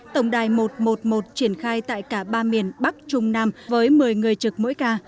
tổng đài một trăm một mươi một triển khai tại cả ba miền bắc trung nam với một mươi người trực mỗi ca